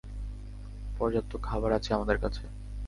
পর্যাপ্ত খাবার আছে আমাদের কাছে!